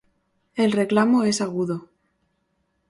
El reclamo es agudo.